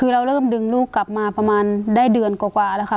คือเราเริ่มดึงลูกกลับมาประมาณได้เดือนกว่าแล้วค่ะ